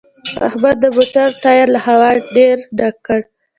احمد د موټر ټایر له هوا ډېر ډک کړ